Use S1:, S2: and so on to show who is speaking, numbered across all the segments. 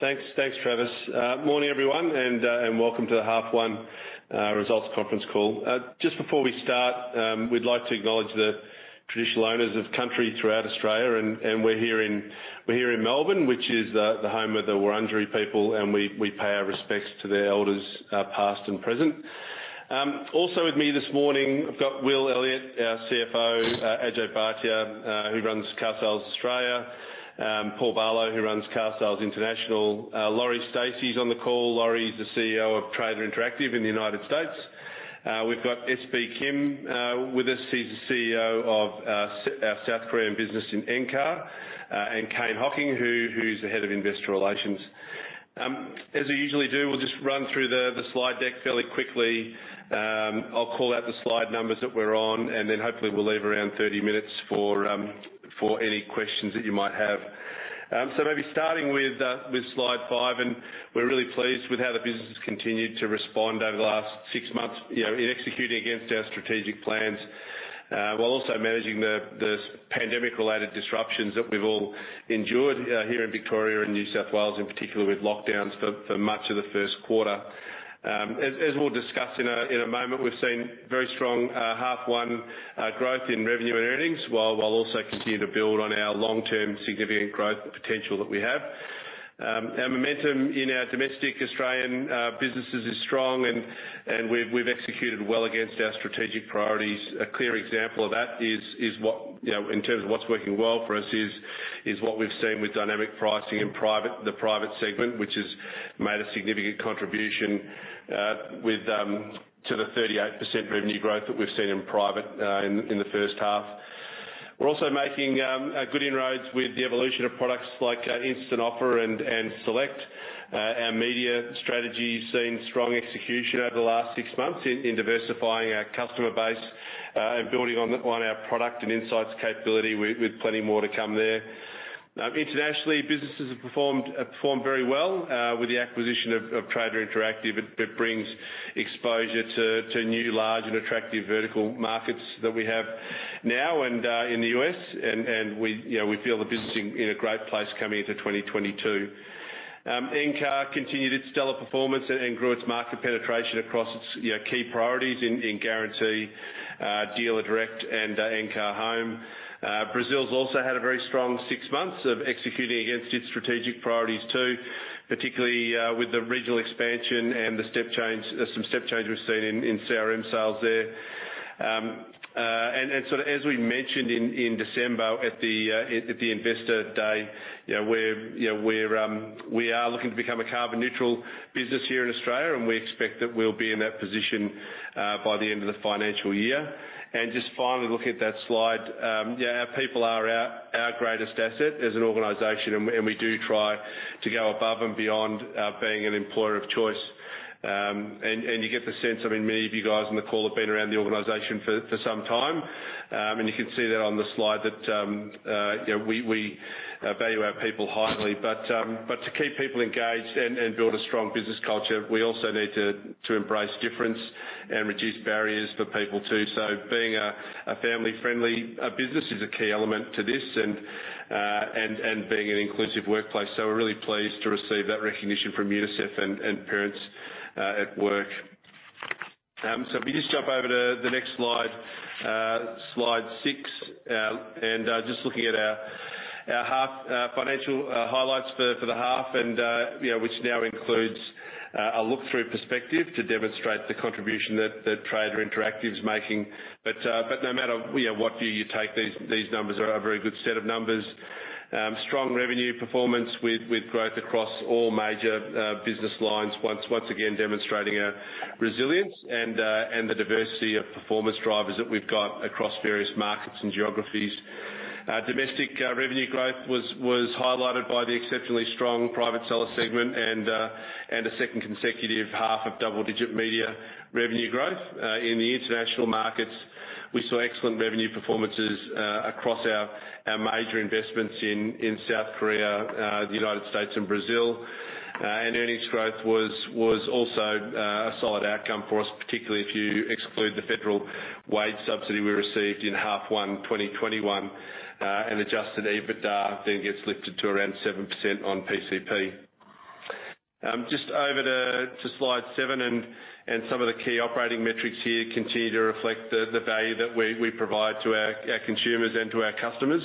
S1: Thanks. Thanks, Travis. Morning, everyone, and welcome to the half one results conference call. Just before we start, we'd like to acknowledge the traditional owners of country throughout Australia, and we're here in Melbourne, which is the home of the Wurundjeri people, and we pay our respects to their elders, past and present. Also with me this morning, I've got Will Elliott, our CFO, Ajay Bhatia, who runs Carsales Australia, Paul Barlow, who runs Carsales International. Lori Stacy's on the call. Lori is the CEO of Trader Interactive in the United States. We've got Sangbeom Kim with us. He's the CEO of our South Korean business in Encar, and Kane Hocking, who's the head of investor relations. As we usually do, we'll just run through the slide deck fairly quickly. I'll call out the slide numbers that we're on, and then hopefully we'll leave around 30 minutes for any questions that you might have. Maybe starting with slide 5, and we're really pleased with how the business has continued to respond over the last six months, you know, in executing against our strategic plans, while also managing the pandemic-related disruptions that we've all endured, here in Victoria and New South Wales, in particular with lockdowns for much of the first quarter. As we'll discuss in a moment, we've seen very strong half one growth in revenue and earnings, while also continuing to build on our long-term significant growth potential that we have. Our momentum in our domestic Australian businesses is strong and we've executed well against our strategic priorities. A clear example of that is what, you know, in terms of what's working well for us is what we've seen with dynamic pricing in private, the private segment, which has made a significant contribution to the 38% revenue growth that we've seen in private in the first half. We're also making good inroads with the evolution of products like Instant Offer and SELECT. Our media strategy's seen strong execution over the last six months in diversifying our customer base and building on our product and insights capability with plenty more to come there. Internationally, businesses have performed very well with the acquisition of Trader Interactive. It brings exposure to new large and attractive vertical markets that we have now and in the U.S., and we, you know, we feel the business in a great place coming into 2022. Encar continued its stellar performance and grew its market penetration across its, you know, key priorities in Guarantee, Dealer Direct and Encar Home. Brazil's also had a very strong six months of executing against its strategic priorities too, particularly with the regional expansion and the step change, some step change we've seen in CRM sales there. As we mentioned in December at the Investor Day, you know, we are looking to become a carbon neutral business here in Australia, and we expect that we'll be in that position by the end of the financial year. Just finally looking at that slide, our people are our greatest asset as an organization, and we do try to go above and beyond being an employer of choice. You get the sense, I mean, many of you guys on the call have been around the organization for some time, and you can see that on the slide that you know, we value our people highly. To keep people engaged and build a strong business culture, we also need to embrace difference and reduce barriers for people too. Being a family-friendly business is a key element to this and being an inclusive workplace. We're really pleased to receive that recognition from UNICEF and Parents At Work. If you just jump over to the next slide six. Just looking at our half financial highlights for the half and you know which now includes a look through perspective to demonstrate the contribution that Trader Interactive's making. No matter you know what view you take, these numbers are a very good set of numbers. Strong revenue performance with growth across all major business lines, once again demonstrating our resilience and the diversity of performance drivers that we've got across various markets and geographies. Domestic revenue growth was highlighted by the exceptionally strong private seller segment and a second consecutive half of double-digit media revenue growth. In the international markets, we saw excellent revenue performances across our major investments in South Korea, the United States and Brazil. Earnings growth was also a solid outcome for us, particularly if you exclude the federal wage subsidy we received in H1 2021. Adjusted EBITDA then gets lifted to around 7% on PCP. Just over to slide seven, and some of the key operating metrics here continue to reflect the value that we provide to our consumers and to our customers.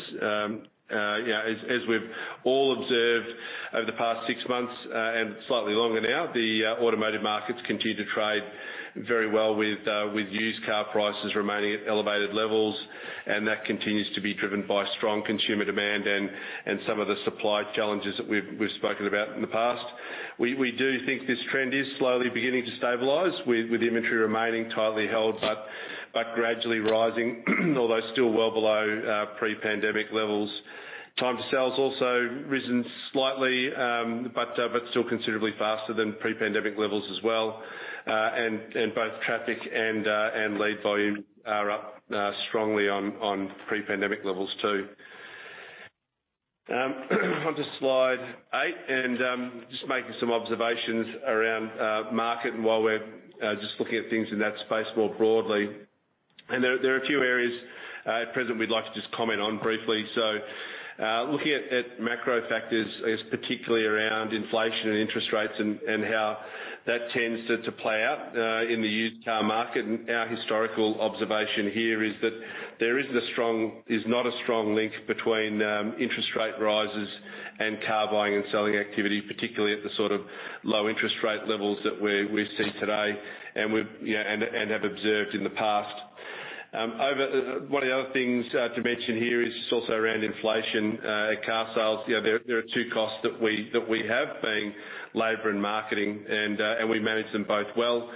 S1: You know, as we've all observed over the past six months, and slightly longer now, the automotive markets continue to trade very well with used car prices remaining at elevated levels. That continues to be driven by strong consumer demand and some of the supply challenges that we've spoken about in the past. We do think this trend is slowly beginning to stabilize with inventory remaining tightly held, but gradually rising, although still well below pre-pandemic levels. Time to sell has also risen slightly, but still considerably faster than pre-pandemic levels as well. Both traffic and lead volume are up strongly on pre-pandemic levels too. Onto slide eight, just making some observations around the market and while we're just looking at things in that space more broadly. There are a few areas at present we'd like to just comment on briefly. Looking at macro factors, particularly around inflation and interest rates and how that tends to play out in the used car market. Our historical observation here is that is not a strong link between interest rate rises and car buying and selling activity, particularly at the sort of low interest rate levels that we're seeing today and we have observed in the past. Over... One of the other things to mention here is just also around inflation at Carsales. You know, there are two costs that we have, being labor and marketing, and we manage them both well.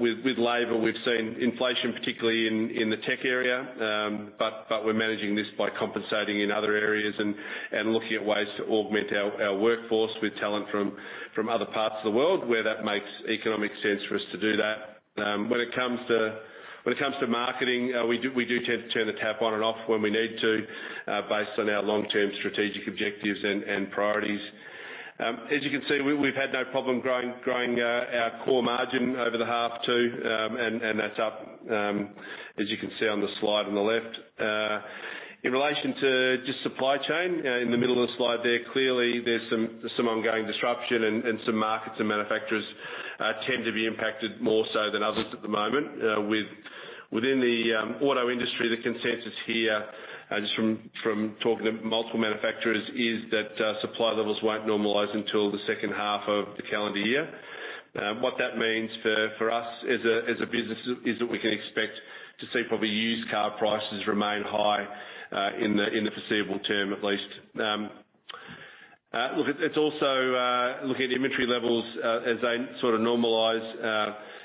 S1: With labor, we've seen inflation, particularly in the tech area, but we're managing this by compensating in other areas and looking at ways to augment our workforce with talent from other parts of the world, where that makes economic sense for us to do that. When it comes to marketing, we do tend to turn the tap on and off when we need to, based on our long-term strategic objectives and priorities. As you can see, we've had no problem growing our core margin over the half too, and that's up, as you can see on the slide on the left. In relation to just supply chain, in the middle of the slide there, clearly there's some ongoing disruption and some markets and manufacturers tend to be impacted more so than others at the moment. Within the auto industry, the consensus here, just from talking to multiple manufacturers, is that supply levels won't normalize until the second half of the calendar year. What that means for us as a business is that we can expect to see probably used car prices remain high in the foreseeable term, at least. Look, it's also looking at inventory levels as they sort of normalize.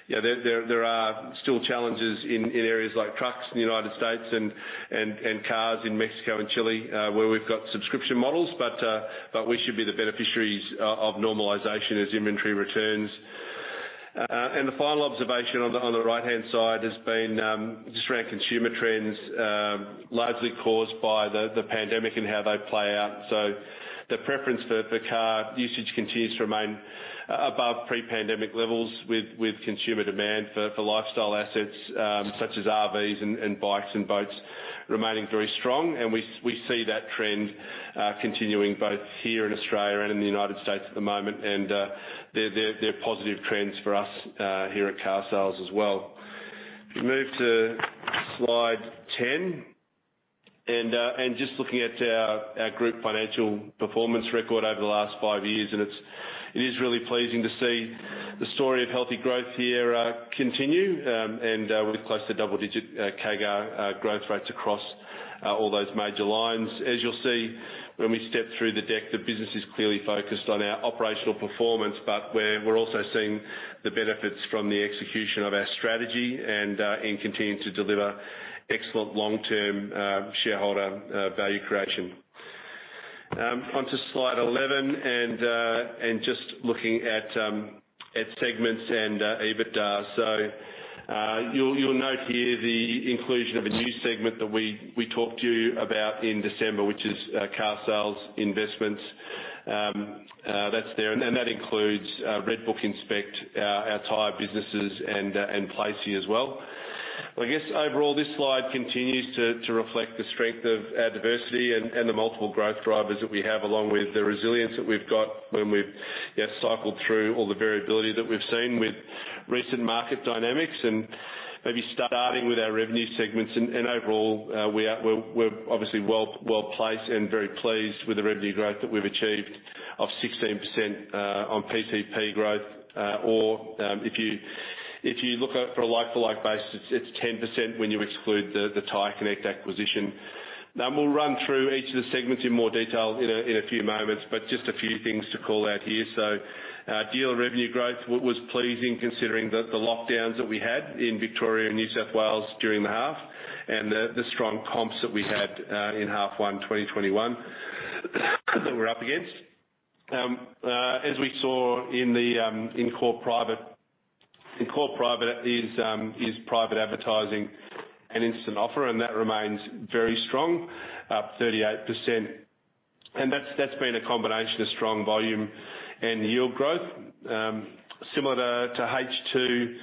S1: You know, there are still challenges in areas like trucks in the United States and cars in Mexico and Chile, where we've got subscription models, but we should be the beneficiaries of normalization as inventory returns. The final observation on the right-hand side has been just around consumer trends, largely caused by the pandemic and how they play out. The preference for car usage continues to remain above pre-pandemic levels with consumer demand for lifestyle assets such as RVs and bikes and boats remaining very strong. We see that trend continuing both here in Australia and in the United States at the moment. They're positive trends for us here at Carsales as well. If you move to slide 10 and just looking at our group financial performance record over the last five years, it is really pleasing to see the story of healthy growth here continue, and with close to double-digit CAGR growth rates across all those major lines. As you'll see when we step through the deck, the business is clearly focused on our operational performance, but we're also seeing the benefits from the execution of our strategy and continuing to deliver excellent long-term shareholder value creation. Onto slide 11 and just looking at segments and EBITDA. You'll note here the inclusion of a new segment that we talked to you about in December, which is carsales investments. That's there. That includes RedBook, Inspect, our tire businesses, and [Placee] as well. I guess overall, this slide continues to reflect the strength of our diversity and the multiple growth drivers that we have, along with the resilience that we've got when we've cycled through all the variability that we've seen with recent market dynamics. Maybe starting with our revenue segments. Overall, we're obviously well-placed and very pleased with the revenue growth that we've achieved of 16% on PCP growth. Or, if you look at for a like-for-like basis, it's 10% when you exclude the TyreConnect acquisition. Now, we'll run through each of the segments in more detail in a few moments, but just a few things to call out here. Dealer revenue growth was pleasing, considering the lockdowns that we had in Victoria and New South Wales during the half and the strong comps that we had in H1 2021 that we're up against. As we saw in Core Private, which is private advertising and Instant Offer, that remains very strong, up 38%. That's been a combination of strong volume and yield growth. Similar to H2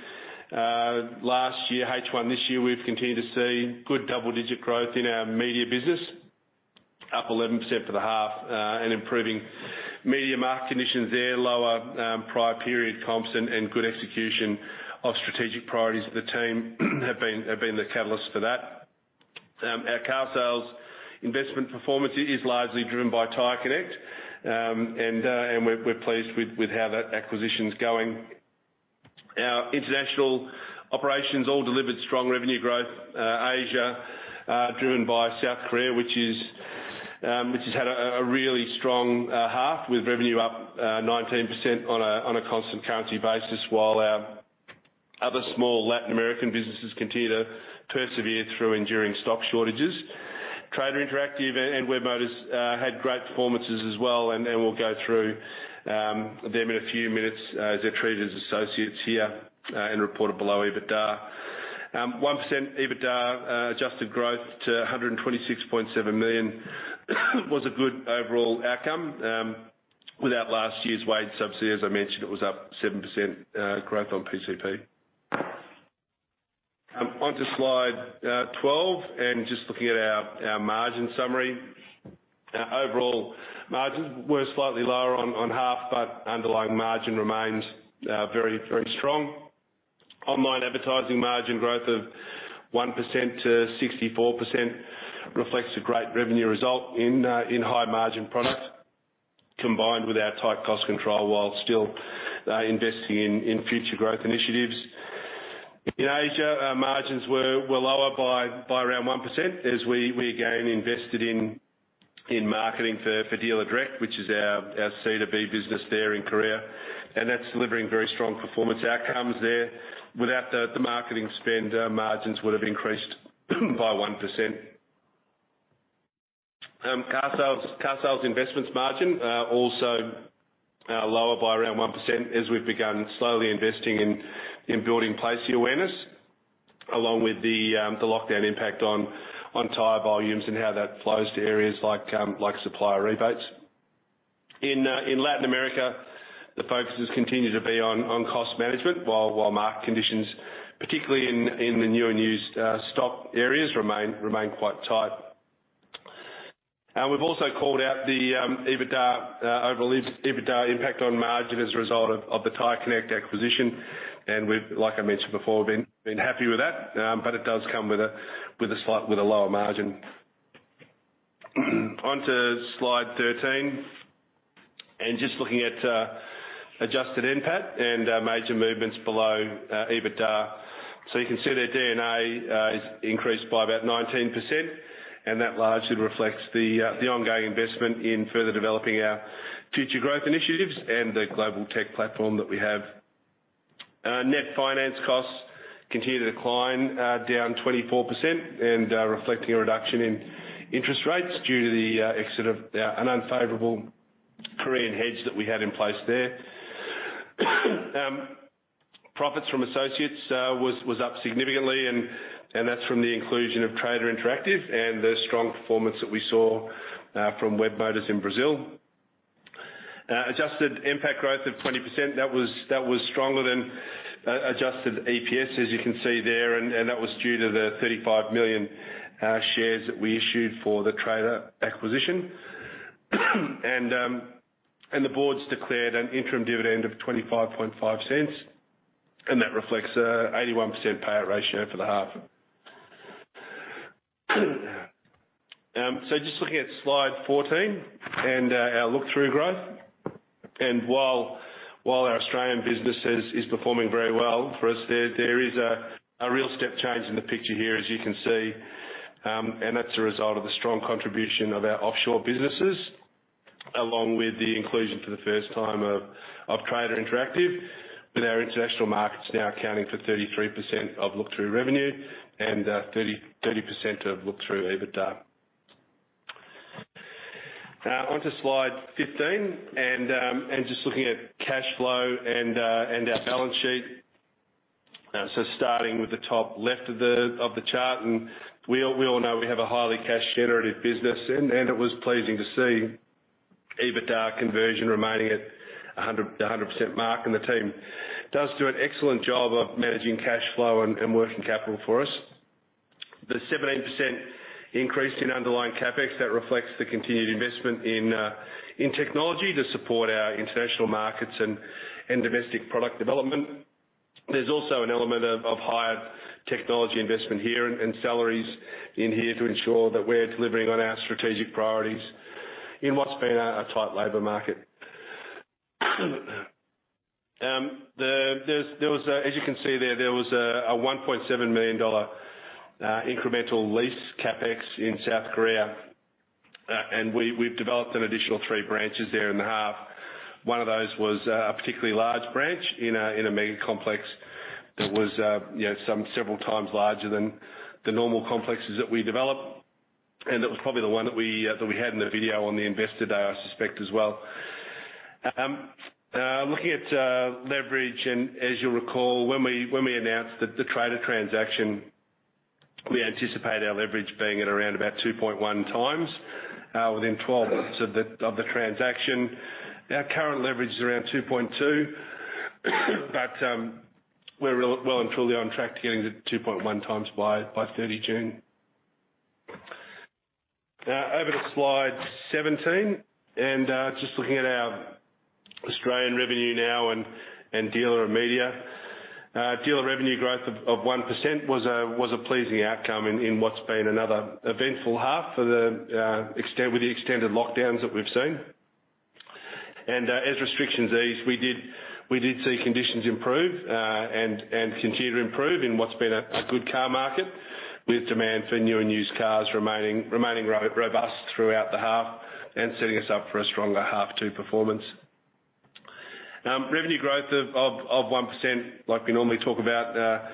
S1: last year, H1 this year, we've continued to see good double-digit growth in our media business, up 11% for the half, and improving media market conditions there. Lower prior period comps and good execution of strategic priorities of the team have been the catalyst for that. Our Carsales investment performance is largely driven by TyreConnect. We're pleased with how that acquisition's going. Our international operations all delivered strong revenue growth. Asia driven by South Korea, which has had a really strong half with revenue up 19% on a constant currency basis, while our other small Latin American businesses continue to persevere through enduring stock shortages. Trader Interactive and Webmotors had great performances as well, and we'll go through them in a few minutes as treated as associates here and reported below EBITDA. 1% EBITDA adjusted growth to 126.7 million was a good overall outcome. Without last year's wage subsidy, as I mentioned, it was up 7% growth on PCP. Onto slide 12 and just looking at our margin summary. Our overall margins were slightly lower on H1, but underlying margin remains very strong. Online advertising margin growth of 1% to 64% reflects a great revenue result in high margin product, combined with our tight cost control while still investing in future growth initiatives. In Asia, our margins were lower by around 1% as we again invested in marketing for Dealer Direct, which is our C2B business there in Korea, and that's delivering very strong performance outcomes there. Without the marketing spend, margins would have increased by 1%. Carsales investments margin also lower by around 1% as we've begun slowly investing in building Placee awareness, along with the lockdown impact on tire volumes and how that flows to areas like supplier rebates. In Latin America, the focus has continued to be on cost management while market conditions, particularly in the new and used stock areas remain quite tight. We've also called out the overall EBITDA impact on margin as a result of the TyreConnect acquisition. Like I mentioned before, we've been happy with that, but it does come with a lower margin. Onto slide 13. Just looking at adjusted NPAT and major movements below EBITDA. You can see that D&A is increased by about 19%, and that largely reflects the ongoing investment in further developing our future growth initiatives and the global tech platform that we have. Net finance costs continue to decline, down 24% and reflecting a reduction in interest rates due to the exit of an unfavorable Korean hedge that we had in place there. Profits from associates was up significantly and that's from the inclusion of Trader Interactive and the strong performance that we saw from Webmotors in Brazil. Adjusted NPAT growth of 20%, that was stronger than adjusted EPS, as you can see there, and that was due to the 35 million shares that we issued for the Trader Interactive acquisition. The Board declared an interim dividend of 0.255, and that reflects an 81% payout ratio for the half. Just looking at slide 14 and our look-through growth. While our Australian business is performing very well for us, there is a real step change in the picture here as you can see, and that's a result of the strong contribution of our offshore businesses, along with the inclusion for the first time of Trader Interactive, with our international markets now accounting for 33% of look-through revenue and 30% of look-through EBITDA. Onto slide 15 and just looking at cash flow and our balance sheet. Starting with the top left of the chart, we all know we have a highly cash generative business and it was pleasing to see EBITDA conversion remaining at the 100% mark, and the team does an excellent job of managing cash flow and working capital for us. The 17% increase in underlying CapEx reflects the continued investment in technology to support our international markets and domestic product development. There's also an element of higher technology investment here and salaries in here to ensure that we're delivering on our strategic priorities in what's been a tight labor market. As you can see there was a 1.7 million dollar incremental lease CapEx in South Korea, and we've developed an additional 3 branches there in the half. One of those was a particularly large branch in a mega complex that was, you know, several times larger than the normal complexes that we develop. That was probably the one that we had in the video on the Investor Day, I suspect as well. Looking at leverage, as you'll recall, when we announced the Trader transaction, we anticipate our leverage being at around about 2.1x within 12 months of the transaction. Our current leverage is around 2.2, but we're well and truly on track to getting to 2.1x by 30 June. Over to slide 17. Just looking at our Australian revenue now and dealer and media. Dealer revenue growth of 1% was a pleasing outcome in what's been another eventful half for the extended lockdowns that we've seen. As restrictions eased, we did see conditions improve and continue to improve in what's been a good car market, with demand for new and used cars remaining robust throughout the half and setting us up for a stronger half two performance. Revenue growth of 1%, like we normally talk about,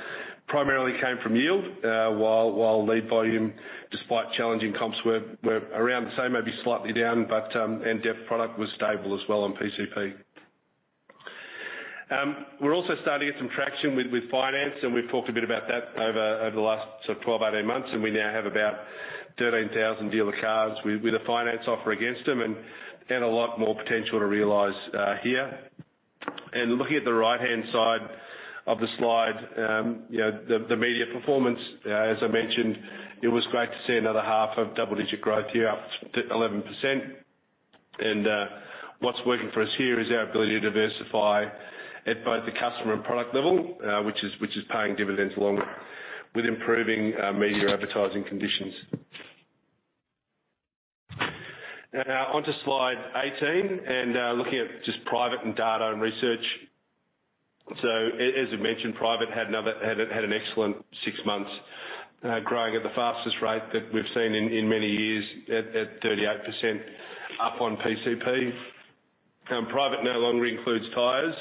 S1: primarily came from yield, while lead volume, despite challenging comps, were around the same, maybe slightly down, but and depth product was stable as well on PCP. We're also starting to get some traction with finance, and we've talked a bit about that over the last sort of 12, 18 months, and we now have about 13,000 dealer cars with a finance offer against them, and a lot more potential to realize here. Looking at the right-hand side of the slide, you know, the media performance, as I mentioned, it was great to see another half of double-digit growth year up 13%. What's working for us here is our ability to diversify at both the customer and product level, which is paying dividends along with improving media advertising conditions. Now onto slide 18, looking at just private and data and research. As I mentioned, private had an excellent six months, growing at the fastest rate that we've seen in many years at 38% up on PCP. Private no longer includes tires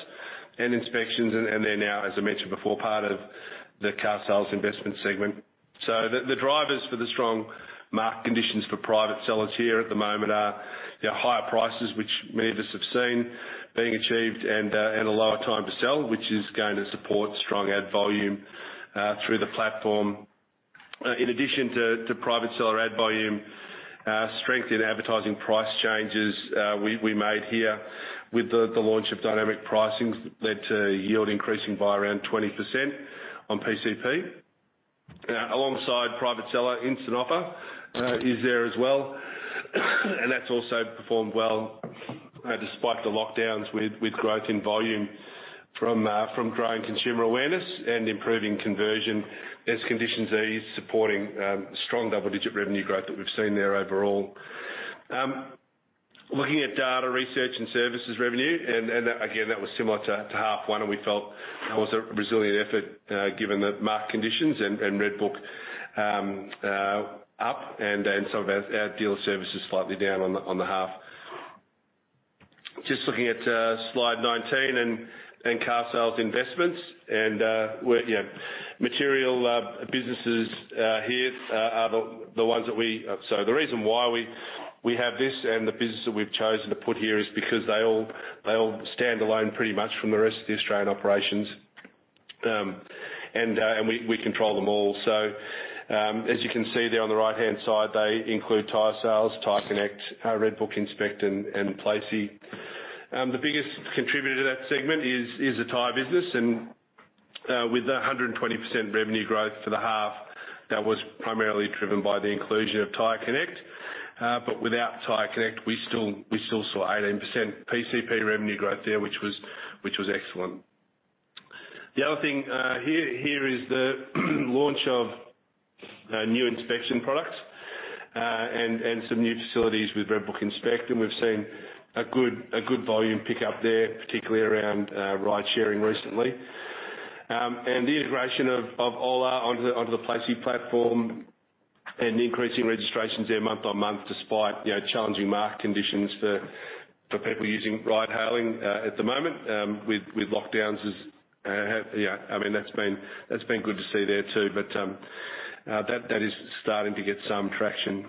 S1: and inspections, and they're now, as I mentioned before, part of the carsales investment segment. The drivers for the strong market conditions for private sellers here at the moment are higher prices, which many of us have seen being achieved and a lower time to sell, which is going to support strong ad volume through the platform. In addition to private seller ad volume, strength in advertising price changes we made here with the launch of dynamic pricing led to yield increasing by around 20% on PCP. Alongside private seller Instant Offer is there as well. That's also performed well despite the lockdowns with growth in volume from growing consumer awareness and improving conversion as conditions ease, supporting strong double-digit revenue growth that we've seen there overall. Looking at data research and services revenue, and again, that was similar to H1, and we felt that was a resilient effort, given the market conditions and RedBook up and some of our dealer services slightly down on the half. Just looking at slide 19 and carsales investments. So the reason why we have this and the business that we've chosen to put here is because they all stand alone pretty much from the rest of the Australian operations. We control them all. So, as you can see there on the right-hand side, they include tire sales, TyreConnect, RedBook Inspect and Placee. The biggest contributor to that segment is the tyre business and with 120% revenue growth for the half, that was primarily driven by the inclusion of TyreConnect. But without TyreConnect, we still saw 18% PCP revenue growth there, which was excellent. The other thing here is the launch of new inspection products and some new facilities with RedBook Inspect, and we've seen a good volume pick up there, particularly around ridesharing recently. The integration of Ola onto the [Placee] platform and increasing registrations there month-on-month despite you know challenging market conditions for people using ride-hailing at the moment with lockdowns. Yeah, I mean, that's been good to see there too. That is starting to get some traction.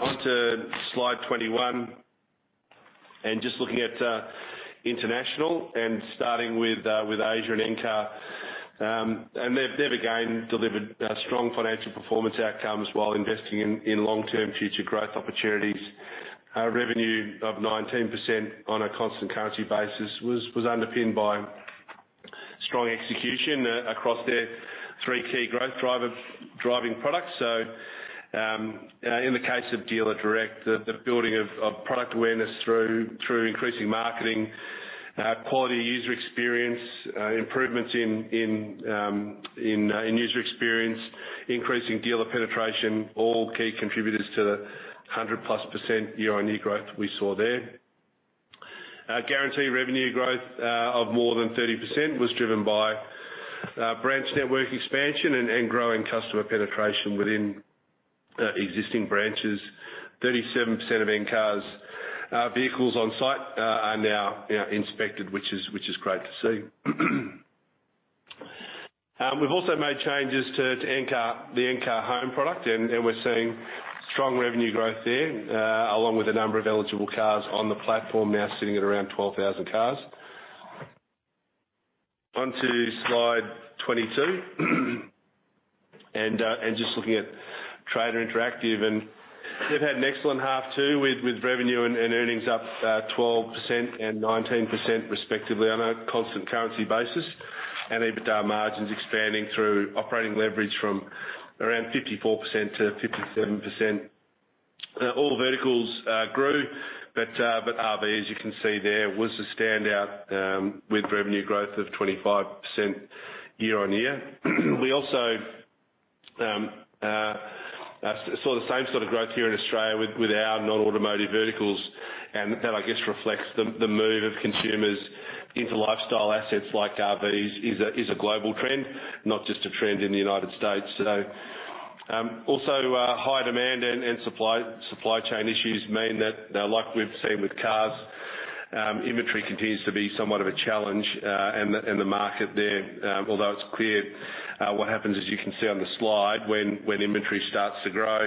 S1: Onto slide 21, just looking at international and starting with Asia and Encar. They've again delivered strong financial performance outcomes while investing in long-term future growth opportunities. Revenue of 19% on a constant currency basis was underpinned by strong execution across their three key growth-driving products. In the case of Dealerdirect, the building of product awareness through increasing marketing, quality user experience improvements in user experience, increasing dealer penetration, all key contributors to the 100%+ year-on-year growth we saw there. Guarantee revenue growth of more than 30% was driven by branch network expansion and growing customer penetration within existing branches. 37% of Encar's vehicles on site are now, you know, inspected, which is great to see. We've also made changes to Encar, the Encar Home product, and we're seeing strong revenue growth there, along with the number of eligible cars on the platform now sitting at around 12,000 cars. Onto slide 22. Just looking at Trader Interactive, and they've had an excellent half too with revenue and earnings up 12% and 19% respectively on a constant currency basis, and EBITDA margins expanding through operating leverage from around 54% to 57%. All verticals grew, but RV, as you can see there, was the standout, with revenue growth of 25% year on year. We also saw the same sort of growth here in Australia with our non-automotive verticals, and that, I guess, reflects the move of consumers into lifestyle assets like RVs, is a global trend, not just a trend in the United States. Also, high demand and supply chain issues mean that, like we've seen with cars, inventory continues to be somewhat of a challenge, and the market there. Although it's clear what happens is you can see on the slide when inventory starts to grow,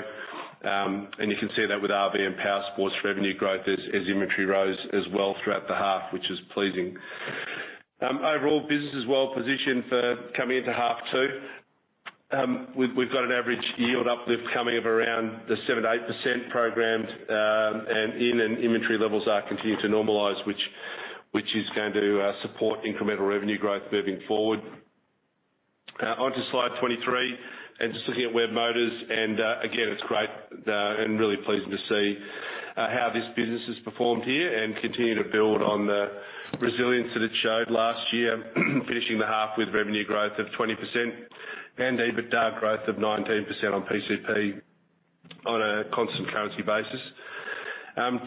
S1: and you can see that with RV and Powersports revenue growth as inventory rose as well throughout the half, which is pleasing. Overall business is well positioned for coming into half two. We've got an average yield uplift coming of around the 7%-8% programmed, and inventory levels are continuing to normalize, which is going to support incremental revenue growth moving forward. Onto slide 23. Just looking at Webmotors, again, it's great and really pleasing to see how this business has performed here and continue to build on the resilience that it showed last year, finishing the half with revenue growth of 20% and EBITDA growth of 19% on PCP on a constant currency basis.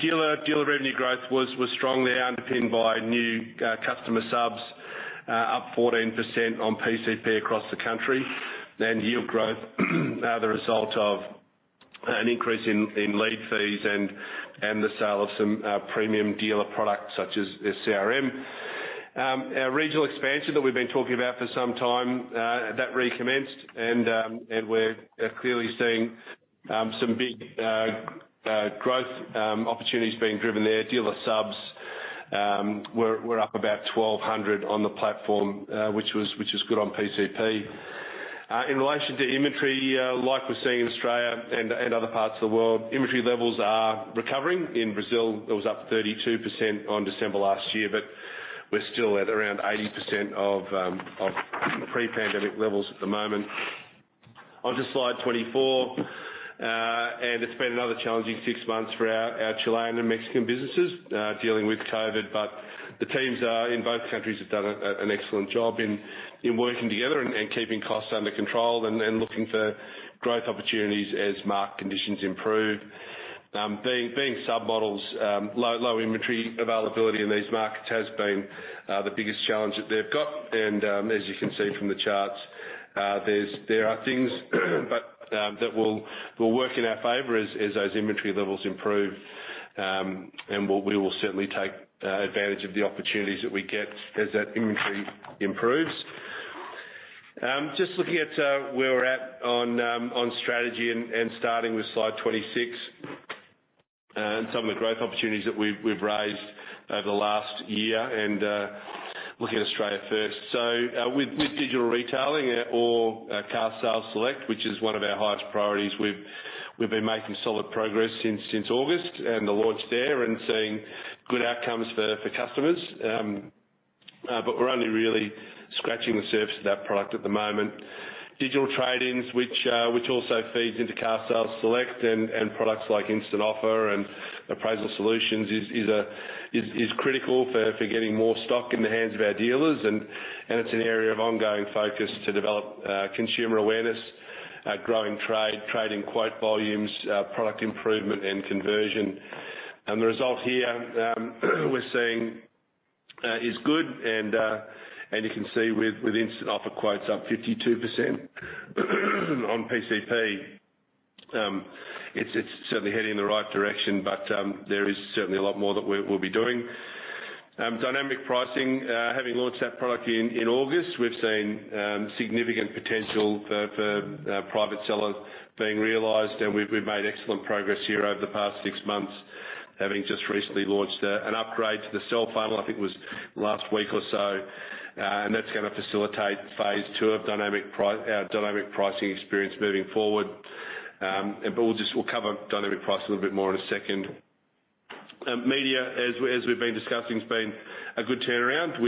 S1: Dealer revenue growth was strongly underpinned by new customer subs up 14% on PCP across the country. Yield growth are the result of an increase in lead fees and the sale of some premium dealer products such as CRM. Our regional expansion that we've been talking about for some time that recommenced, and we're clearly seeing some big growth opportunities being driven there. Dealer subs, we're up about 1,200 on the platform, which was good on PCP. In relation to inventory, like we're seeing in Australia and other parts of the world, inventory levels are recovering. In Brazil, it was up 32% on December last year, but we're still at around 80% of pre-pandemic levels at the moment. Onto slide 24. It's been another challenging six months for our Chilean and Mexican businesses, dealing with COVID. The teams in both countries have done an excellent job in working together and keeping costs under control and looking for growth opportunities as market conditions improve. Low inventory availability in these markets has been the biggest challenge that they've got. As you can see from the charts, there are things that will work in our favor as those inventory levels improve. We will certainly take advantage of the opportunities that we get as that inventory improves. Just looking at where we're at on strategy and starting with slide 26. Some of the growth opportunities that we've raised over the last year, looking at Australia first. With digital retailing or Carsales SELECT, which is one of our highest priorities, we've been making solid progress since August and the launch there and seeing good outcomes for customers. We're only really scratching the surface of that product at the moment. Digital trade-ins, which also feeds into Carsales SELECT and products like Instant Offer and Appraisal Solutions, is critical for getting more stock in the hands of our dealers. It's an area of ongoing focus to develop consumer awareness, growing trade and quote volumes, product improvement and conversion. The result here we're seeing is good. You can see with Instant Offer quotes up 52% on PCP. It's certainly heading in the right direction, but there is certainly a lot more that we'll be doing. Dynamic pricing, having launched that product in August, we've seen significant potential for private sellers being realized. We've made excellent progress here over the past six months, having just recently launched an upgrade to the sell funnel, I think it was last week or so. That's gonna facilitate phase two of dynamic pricing experience moving forward. We'll cover dynamic pricing a little bit more in a second. Media, as we've been discussing, has been a good turnaround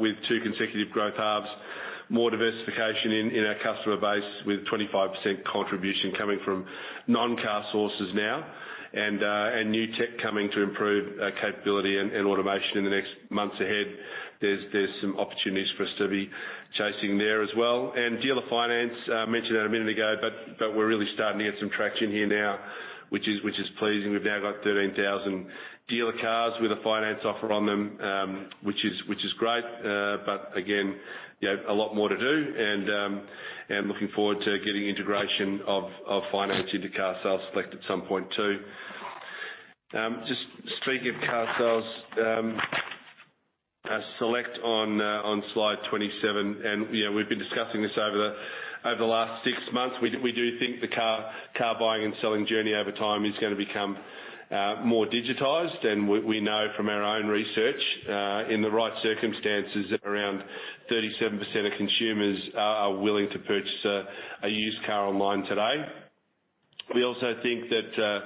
S1: with two consecutive growth halves, more diversification in our customer base, with 25% contribution coming from non-car sources now, and new tech coming to improve capability and automation in the next months ahead. There's some opportunities for us to be chasing there as well. Dealer Finance, I mentioned that a minute ago, but we're really starting to get some traction here now, which is pleasing. We've now got 13,000 dealer cars with a finance offer on them, which is great. But again, you know, a lot more to do and looking forward to getting integration of finance into Carsales SELECT at some point too. Just speaking of Carsales SELECT on slide 27, and you know, we've been discussing this over the last six months. We think the car buying and selling journey over time is gonna become more digitized. We know from our own research, in the right circumstances, around 37% of consumers are willing to purchase a used car online today. We also think that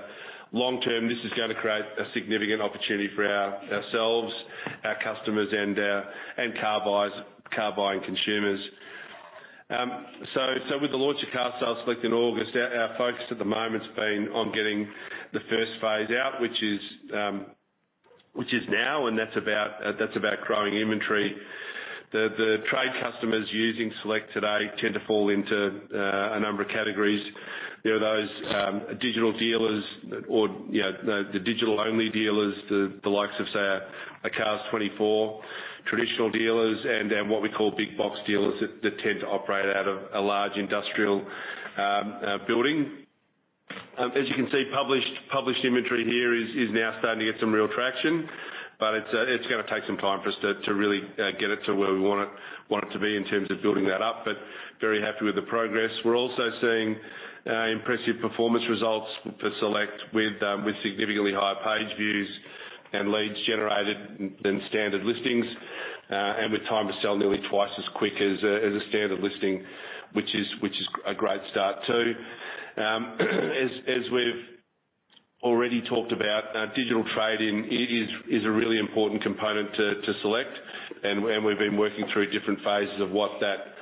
S1: long term, this is gonna create a significant opportunity for ourselves, our customers and car buyers, car-buying consumers. With the launch of Carsales SELECT in August, our focus at the moment's been on getting the first phase out, which is now, and that's about growing inventory. The trade customers using SELECT today tend to fall into a number of categories. There are those digital dealers or, you know, the digital-only dealers, the likes of say a Cars24, traditional dealers and what we call big box dealers that tend to operate out of a large industrial building. As you can see, published inventory here is now starting to get some real traction. It's gonna take some time for us to really get it to where we want it to be in terms of building that up, but very happy with the progress. We're also seeing impressive performance results for SELECT with significantly higher page views and leads generated than standard listings, and with time to sell nearly twice as quick as a standard listing, which is a great start, too. As we've already talked about, digital trading is a really important component to SELECT, and we've been working through different phases of what that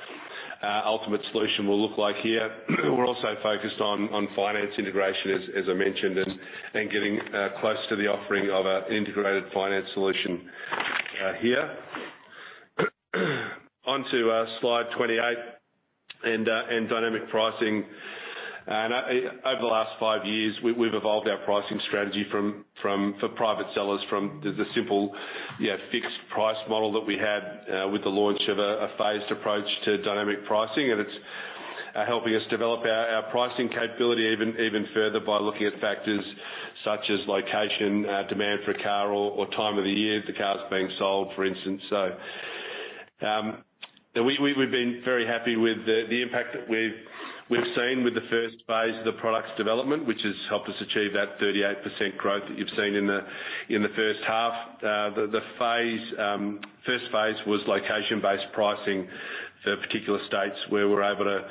S1: ultimate solution will look like here. We're also focused on finance integration, as I mentioned, and getting close to the offering of an integrated finance solution here. Onto slide 28, and dynamic pricing. Over the last five years, we've evolved our pricing strategy from for private sellers, from the simple, you know, fixed price model that we had with the launch of a phased approach to dynamic pricing. It's helping us develop our pricing capability even further by looking at factors such as location, demand for a car or time of the year the car's being sold, for instance. We've been very happy with the impact that we've seen with the first phase of the product's development, which has helped us achieve that 38% growth that you've seen in the first half. The first phase was location-based pricing for particular states where we're able to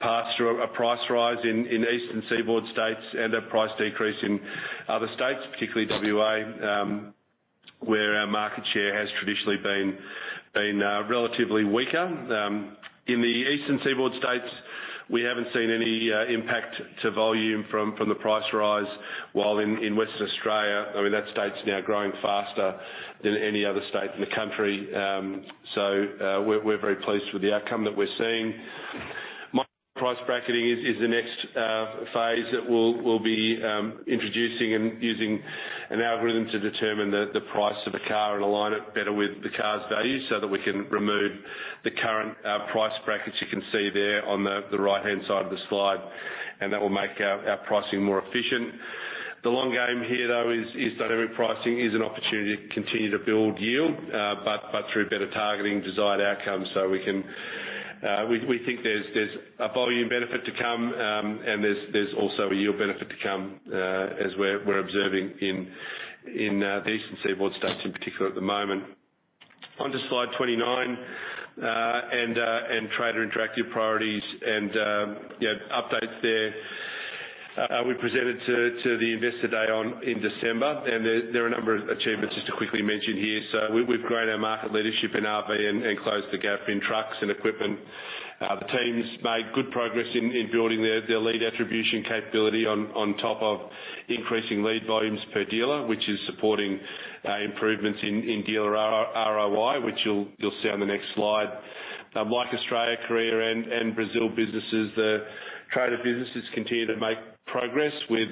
S1: pass through a price rise in eastern seaboard states and a price decrease in other states, particularly WA, where our market share has traditionally been relatively weaker. In the eastern seaboard states, we haven't seen any impact to volume from the price rise. While in Western Australia, I mean, that state's now growing faster than any other state in the country. We're very pleased with the outcome that we're seeing. Price bracketing is the next phase that we'll be introducing and using an algorithm to determine the price of a car and align it better with the car's value so that we can remove the current price brackets you can see there on the right-hand side of the slide, and that will make our pricing more efficient. The long game here, though, is dynamic pricing, an opportunity to continue to build yield, but through better targeting desired outcomes, so we can. We think there's a volume benefit to come, and there's also a yield benefit to come, as we're observing in the eastern seaboard states in particular at the moment. Onto slide 29 and Trader Interactive priorities and, you know, updates there. We presented to the Investor Day in December, and there are a number of achievements just to quickly mention here. We've grown our market leadership in RV and closed the gap in trucks and equipment. The teams made good progress in building their lead attribution capability on top of increasing lead volumes per dealer, which is supporting improvements in dealer ROI, which you'll see on the next slide. Like Australia, Korea and Brazil businesses, the Trader businesses continue to make progress with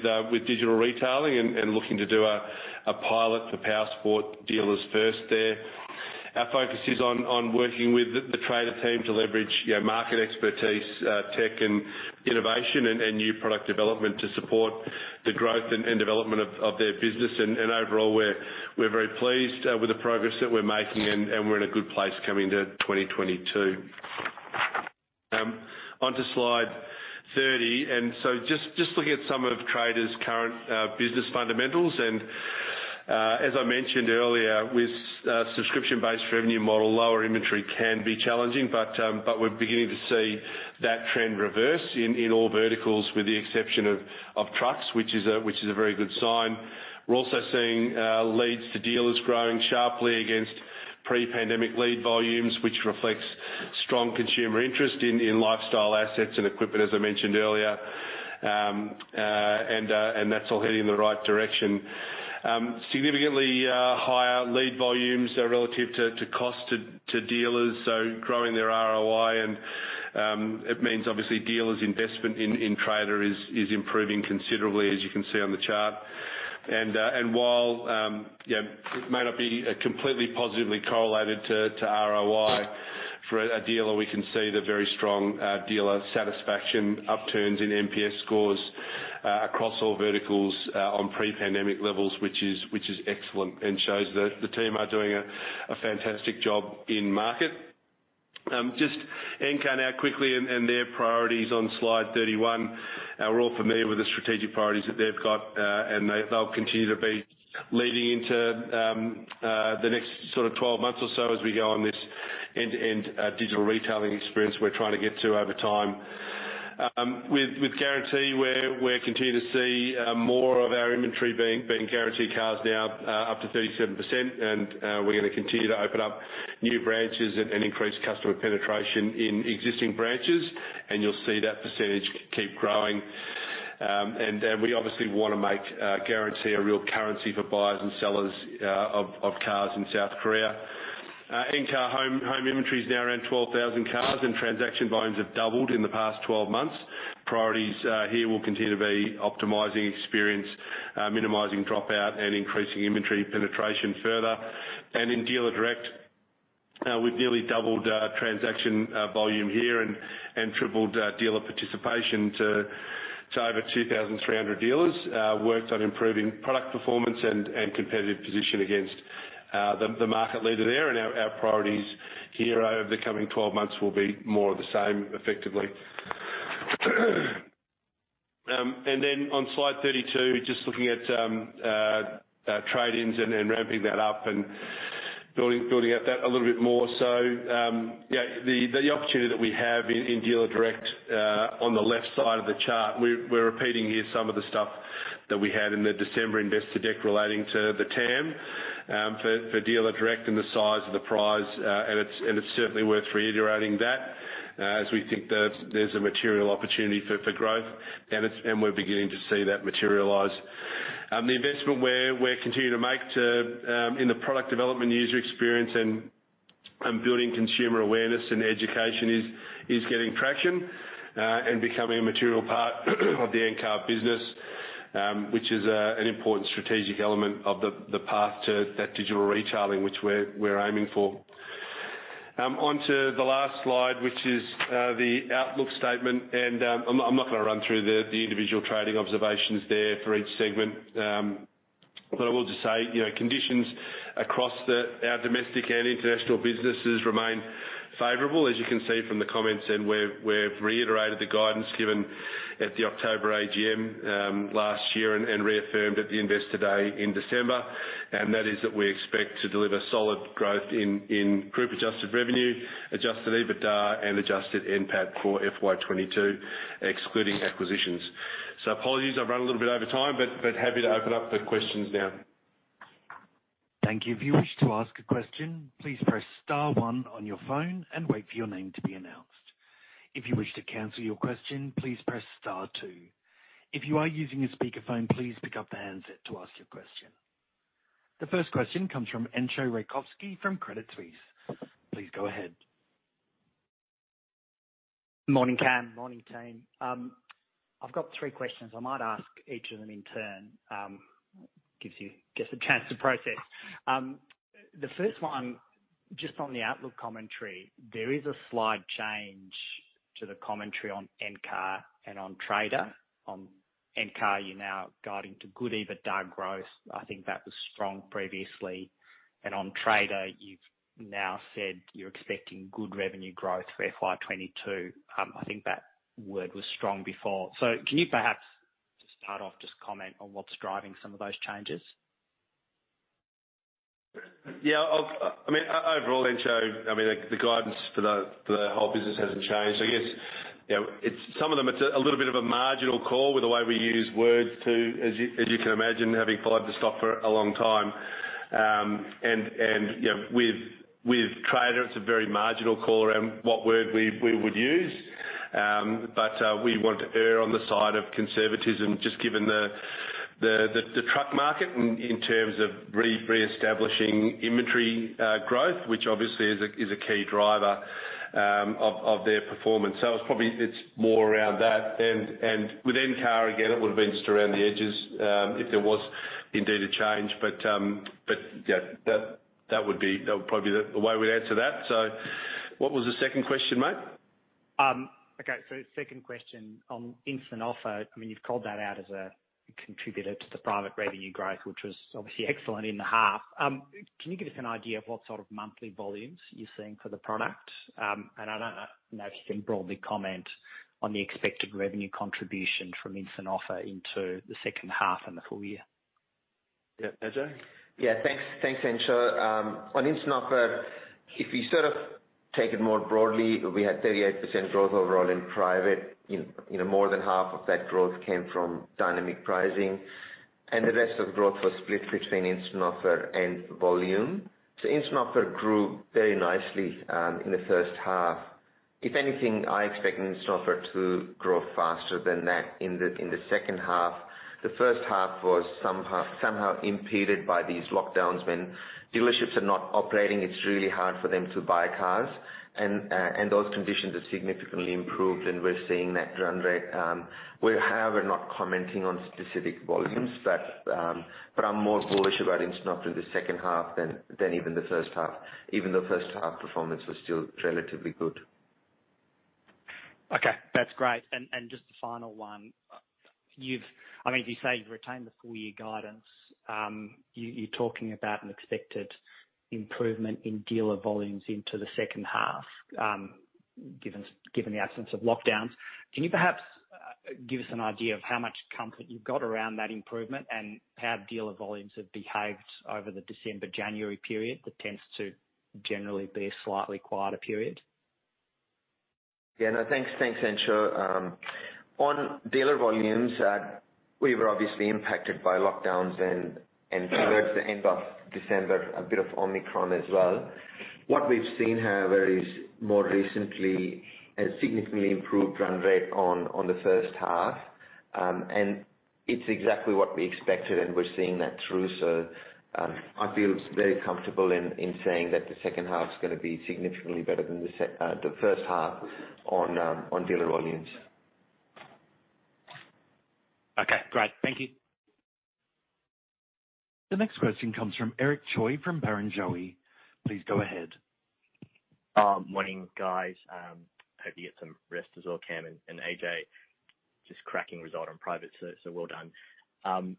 S1: digital retailing and looking to do a pilot for Powersports dealers first there. Our focus is on working with the Trader team to leverage yeah market expertise, tech and innovation and new product development to support the growth and development of their business. Overall, we're very pleased with the progress that we're making and we're in a good place coming to 2022. Onto slide 30. Just looking at some of Trader's current business fundamentals. As I mentioned earlier, with a subscription-based revenue model, lower inventory can be challenging, but we're beginning to see that trend reverse in all verticals, with the exception of trucks, which is a very good sign. We're also seeing leads to dealers growing sharply against pre-pandemic lead volumes, which reflects strong consumer interest in lifestyle assets and equipment, as I mentioned earlier. That's all heading in the right direction. Significantly higher lead volumes relative to cost to dealers, so growing their ROI and it means obviously dealers' investment in Trader is improving considerably, as you can see on the chart. While it may not be completely positively correlated to ROI for a dealer, we can see the very strong dealer satisfaction upturns in NPS scores across all verticals on pre-pandemic levels, which is excellent and shows that the team are doing a fantastic job in market. Just Encar now quickly and their priorities on slide 31. We're all familiar with the strategic priorities that they've got, and they'll continue to be leading into the next sort of 12 months or so as we go on this end-to-end digital retailing experience we're trying to get to over time. With Guarantee, we're continuing to see more of our inventory being Guarantee cars now, up to 37%. We're gonna continue to open up new branches and increase customer penetration in existing branches. You'll see that percentage keep growing. We obviously wanna make Guarantee a real currency for buyers and sellers of cars in South Korea. Encar Home inventory is now around 12,000 cars, and transaction volumes have doubled in the past 12 months. Priorities here will continue to be optimizing experience, minimizing dropout and increasing inventory penetration further. In Dealerdirect, we've nearly doubled transaction volume here and tripled dealer participation to over 2,300 dealers. Worked on improving product performance and competitive position against the market leader there. Our priorities here over the coming twelve months will be more of the same, effectively. On slide 32, just looking at trade-ins and then ramping that up and building out that a little bit more. The opportunity that we have in Dealerdirect on the left side of the chart, we're repeating here some of the stuff that we had in the December investor deck relating to the TAM for Dealerdirect and the size of the prize. It's certainly worth reiterating that as we think that there's a material opportunity for growth, and we're beginning to see that materialize. The investment we're continuing to make in the product development, user experience, and building consumer awareness and education is getting traction and becoming a material part of the Encar business, which is an important strategic element of the path to that digital retailing which we're aiming for. On to the last slide, which is the outlook statement, and I'm not gonna run through the individual trading observations there for each segment. But I will just say, you know, conditions across our domestic and international businesses remain favorable, as you can see from the comments. We've reiterated the guidance given at the October AGM last year and reaffirmed at the Investor Day in December. That is that we expect to deliver solid growth in group adjusted revenue, adjusted EBITDA and adjusted NPAT for FY 2022, excluding acquisitions. Apologies, I've run a little bit over time, but happy to open up for questions now.
S2: The first question comes from Entcho Raykovski from Credit Suisse. Please go ahead.
S3: Morning, Cam. Morning, team. I've got three questions. I might ask each of them in turn, which gives you just a chance to process. The first one, just on the outlook commentary, there is a slight change to the commentary on Encar and on Trader. On Encar, you're now guiding to good EBITDA growth. I think that was strong previously. And on Trader, you've now said you're expecting good revenue growth for FY 2022. I think that word was strong before. Can you perhaps just start off, just comment on what's driving some of those changes?
S1: Yeah. I mean, overall, Entcho, I mean, the guidance for the whole business hasn't changed. I guess, you know, some of them, it's a little bit of a marginal call with the way we use words, as you can imagine, having followed the stock for a long time. You know, with Trader, it's a very marginal call around what word we would use. We want to err on the side of conservatism just given the truck market in terms of reestablishing inventory growth, which obviously is a key driver of their performance. It's probably more around that. With Encar, again, it would've been just around the edges, if there was indeed a change. Yeah, that would probably be the way we'd answer that. What was the second question, Entcho?
S3: Okay, second question on Instant Offer. I mean, you've called that out as a contributor to the private revenue growth, which was obviously excellent in the half. Can you give us an idea of what sort of monthly volumes you're seeing for the product? And I don't know if you can broadly comment on the expected revenue contribution from Instant Offer into the second half and the full year.
S1: Yeah. Ajay?
S4: Yeah. Thanks, Entcho. On Instant Offer, if you sort of take it more broadly, we had 38% growth overall in private. You know, more than half of that growth came from dynamic pricing, and the rest of growth was split between Instant Offer and volume. Instant Offer grew very nicely in the first half. If anything, I expect Instant Offer to grow faster than that in the second half. The first half was somehow impeded by these lockdowns. When dealerships are not operating, it's really hard for them to buy cars, and those conditions have significantly improved, and we're seeing that run rate. We're not commenting on specific volumes, but I'm more bullish about Instant Offer in the second half than even the first half, even though first half performance was still relatively good.
S3: Okay. That's great. Just the final one. I mean, if you say you've retained the full year guidance, you're talking about an expected improvement in dealer volumes into the second half, given the absence of lockdowns. Can you perhaps give us an idea of how much comfort you've got around that improvement and how dealer volumes have behaved over the December, January period that tends to generally be a slightly quieter period?
S4: Yeah. No, thanks. Thanks, Entcho. On dealer volumes, we were obviously impacted by lockdowns and towards the end of December, a bit of Omicron as well. What we've seen, however, is more recently a significantly improved run rate on the first half. It's exactly what we expected, and we're seeing that through. I feel very comfortable in saying that the second half's gonna be significantly better than the first half on dealer volumes.
S3: Thank you.
S2: The next question comes from Eric Choi from Barrenjoey. Please go ahead.
S5: Morning, guys. Hope you get some rest as well, Cam and Ajay. Well done.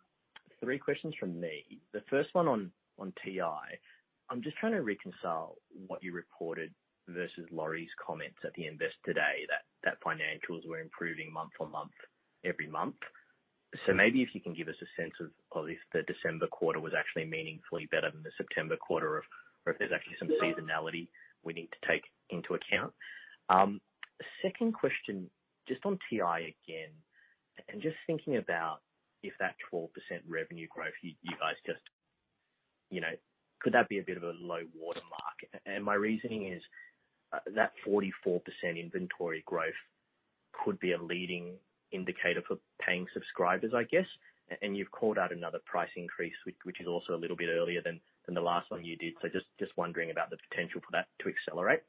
S5: Three questions from me. The first one on TI. I'm just trying to reconcile what you reported versus Lori's comments at the Investor Day, that financials were improving month-on-month, every month. Maybe if you can give us a sense of at least the December quarter was actually meaningfully better than the September quarter of or if there's actually some seasonality we need to take into account. Second question, just on TI again. Just thinking about if that 12% revenue growth you guys just... You know, could that be a bit of a low water mark? And my reasoning is, that 44% inventory growth could be a leading indicator for paying subscribers, I guess. You've called out another price increase, which is also a little bit earlier than the last one you did. Just wondering about the potential for that to accelerate.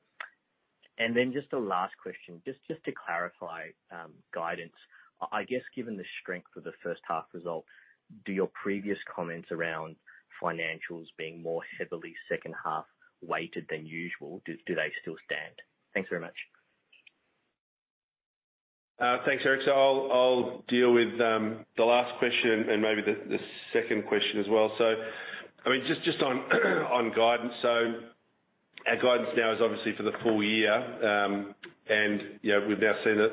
S5: Just a last question, just to clarify guidance. I guess given the strength of the first half results, do your previous comments around financials being more heavily second half weighted than usual, do they still stand? Thanks very much.
S1: Thanks, Eric. I'll deal with the last question and maybe the second question as well. I mean, just on guidance. Our guidance now is obviously for the full year. You know, we've now seen the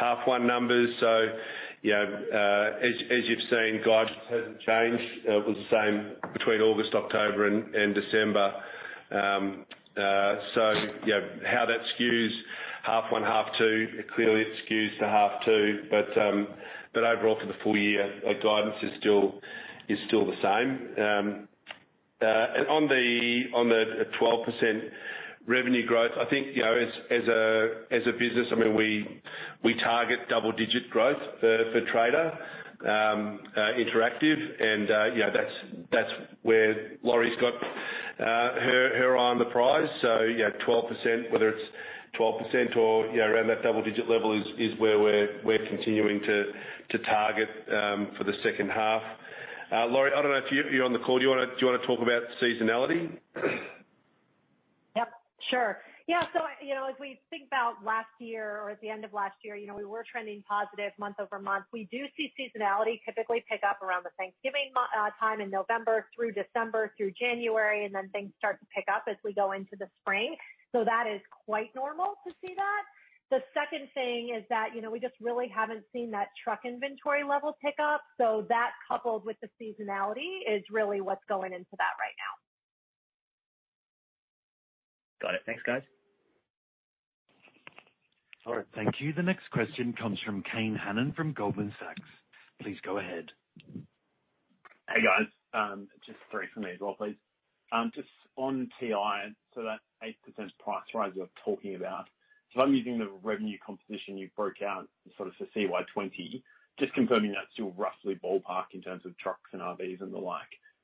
S1: H1 numbers. You know, as you've seen, guidance hasn't changed. It was the same between August, October and December. You know, how that skews H1, H2, clearly it skews to H2. Overall for the full year, our guidance is still the same. On the 12% revenue growth, I think you know, as a business, I mean, we target double-digit growth for Trader Interactive. you know, that's where Lori's got her eye on the prize. you know, 12%, whether it's 12% or, you know, around that double-digit level is where we're continuing to target for the second half. Lori, I don't know if you're on the call. Do you wanna talk about seasonality?
S6: You know, if we think about last year or at the end of last year, you know, we were trending positive month-over-month. We do see seasonality typically pick up around the Thanksgiving time in November through December through January, and then things start to pick up as we go into the spring. That is quite normal to see that. The second thing is that, you know, we just really haven't seen that truck inventory level pick up, so that coupled with the seasonality is really what's going into that right now.
S5: Got it. Thanks, guys.
S2: All right. Thank you. The next question comes from Kane Hannan from Goldman Sachs. Please go ahead.
S7: Hey, guys. Just three from me as well, please. Just on TI, that 8% price rise you're talking about. I'm using the revenue composition you broke out sort of for CY 2020, just confirming that's still roughly ballpark in terms of trucks and RVs and the like.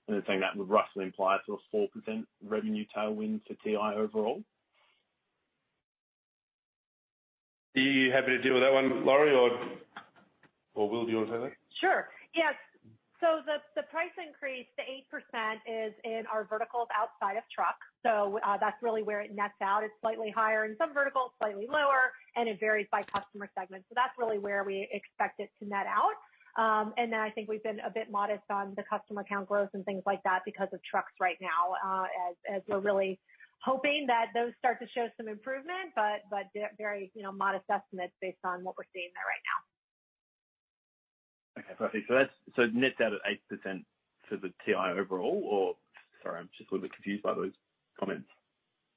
S7: Then saying that would roughly imply sort of 4% revenue tailwind to TI overall.
S1: Are you happy to deal with that one, Lori or Will, do you wanna take that?
S6: Sure. Yes. The price increase, the 8% is in our verticals outside of truck. That's really where it nets out. It's slightly higher in some verticals, slightly lower, and it varies by customer segment. That's really where we expect it to net out. I think we've been a bit modest on the customer count growth and things like that because of trucks right now, as we're really hoping that those start to show some improvement, but very, you know, modest estimates based on what we're seeing there right now.
S7: Okay. Perfect. That's net out at 8% for the TI overall. Sorry, I'm just a little bit confused by those comments.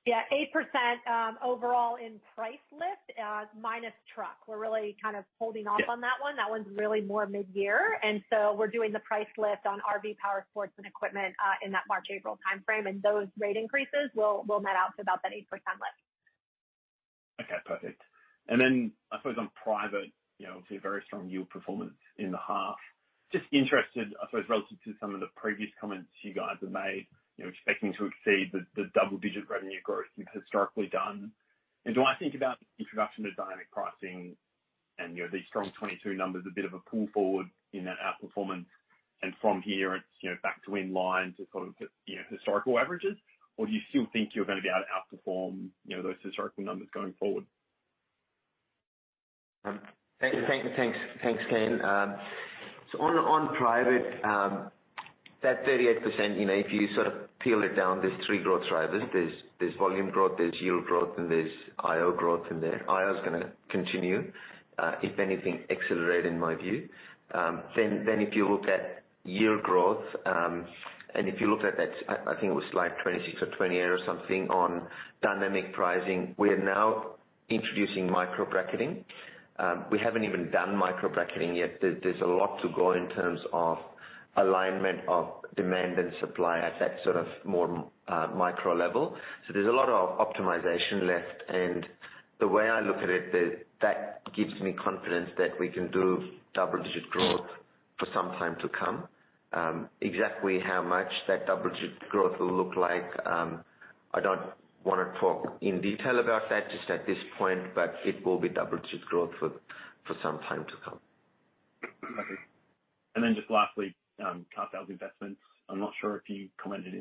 S6: Yeah, 8% overall in price lift, minus truck. We're really kind of holding off.
S7: Yeah.
S6: On that one. That one's really more mid-year. We're doing the price lift on RV, Powersports, and equipment, in that March-April timeframe. Those rate increases will net out to about that 8% lift.
S7: Okay, perfect. I suppose on Private, you know, obviously a very strong yield performance in the half. Just interested, I suppose, relative to some of the previous comments you guys have made, you know, expecting to exceed the double-digit revenue growth you've historically done. Do I think about the introduction to dynamic pricing and, you know, these strong 2022 numbers a bit of a pull forward in that outperformance, and from here it's, you know, back to in line to sort of you know, historical averages? Do you still think you're gonna be able to outperform, you know, those historical numbers going forward?
S1: Thanks, Kane. On Private, that 38%, you know, if you sort of peel it down, there's three growth drivers. There's volume growth, there's yield growth, and there's IO growth in there. IO's gonna continue, if anything accelerate, in my view. If you look at yield growth, and if you look at that, I think it was slide 26 or 28 or something on dynamic pricing, we are now introducing micro-bracketing. We haven't even done micro-bracketing yet. There's a lot to go in terms of alignment of demand and supply at that sort of more micro level. So there's a lot of optimization left. And the way I look at it, that gives me confidence that we can do double-digit growth for some time to come. Exactly how much that double-digit growth will look like, I don't wanna talk in detail about that just at this point. It will be double-digit growth for some time to come.
S7: Okay. Just lastly, carsales investments. I'm not sure if you commented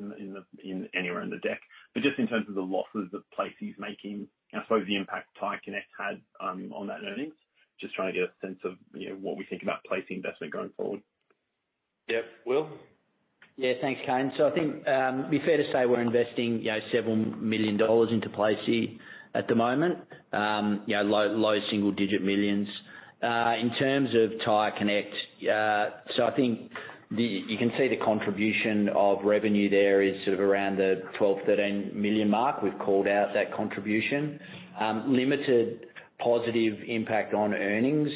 S7: anywhere in the deck, but just in terms of the losses that Placee is making, and I suppose the impact TyreConnect had on that earnings. Just trying to get a sense of, you know, what we think about Placee investment going forward.
S1: Yep. Will?
S8: Yeah, thanks, Kane. I think it'd be fair to say we're investing, you know, several million dollars into Placee at the moment. You know, low single digit millions. In terms of TyreConnect, I think you can see the contribution of revenue there is sort of around the 12 million-13 million mark. We've called out that contribution. Limited positive impact on earnings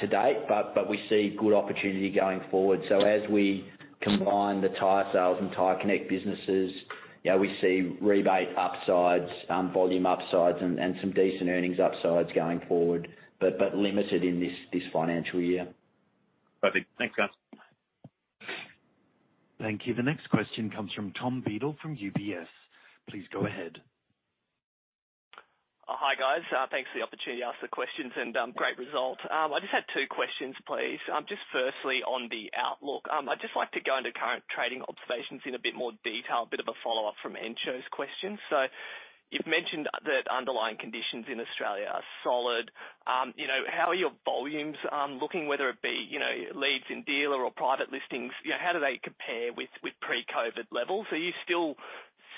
S8: to date, but we see good opportunity going forward. As we combine the tyre sales and TyreConnect businesses, you know, we see rebate upsides, volume upsides and some decent earnings upsides going forward, but limited in this financial year.
S7: Perfect. Thanks, guys.
S2: Thank you. The next question comes from Tom Beadle from UBS. Please go ahead.
S9: Hi, guys. Thanks for the opportunity to ask the questions and great result. I just had two questions, please. Just firstly, on the outlook. I'd just like to go into current trading observations in a bit more detail, a bit of a follow-up from Entcho's question. You've mentioned that underlying conditions in Australia are solid. You know, how are your volumes looking, whether it be, you know, leads in dealer or private listings? You know, how do they compare with pre-COVID levels? Are you still